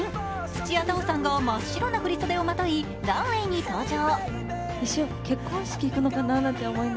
土屋太鳳さんが真っ白な振り袖をまとい、ランウェイに登場。